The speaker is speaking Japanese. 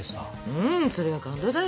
うんそれは感動だよ！